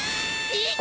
えっ？